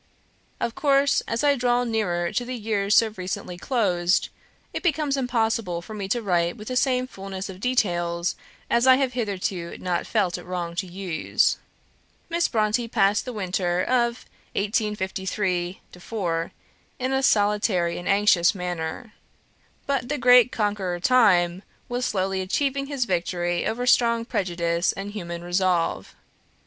Of course, as I draw nearer to the years so recently closed, it becomes impossible for me to write with the same fulness of detail as I have hitherto not felt it wrong to use. Miss Brontë passed the winter of 1853 4 in a solitary and anxious manner. But the great conqueror Time was slowly achieving his victory over strong prejudice and human resolve.